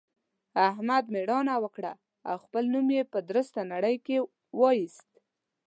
احمد مېړانه وکړه او خپل نوم يې په درسته نړۍ کې واېست.